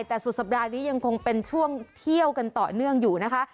แต่สุดสัปดาห์นี้ยังคงเป็นช่วงเที่ยวกันต่อเนื่องอยู่นะคะ